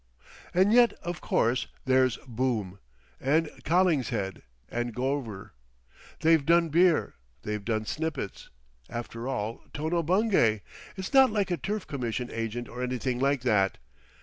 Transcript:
_.... And yet, of course, there's Boom! And Collingshead and Gorver. They've done beer, they've done snippets! After all Tono Bungay—it's not like a turf commission agent or anything like that!...